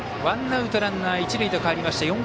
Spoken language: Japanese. ワンアウト、ランナー、一塁と変わりました。